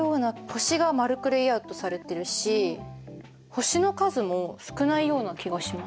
星が丸くレイアウトされてるし星の数も少ないような気がします。